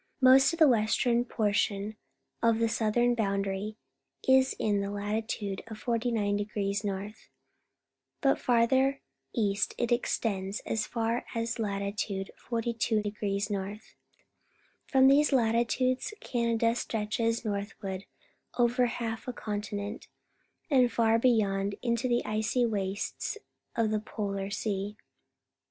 Most of the western portion of the southern boundary is in latitude 49° N. ; but farther east it extends as far south as latitude 42° N. From these latitudes Canada stretches north ward over half a continent, and far beyond, mto the icy wastes of the Polar Sea.